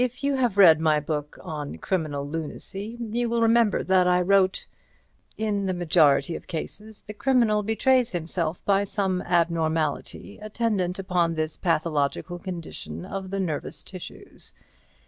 If you have read my book on "Criminal Lunacy," you will remember that I wrote: "In the majority of cases, the criminal betrays himself by some abnormality attendant upon this pathological condition of the nervous tissues.